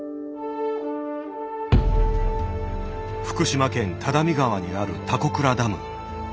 福島県只見川にある田子倉ダム。